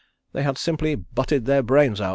They had simply butted their brains out."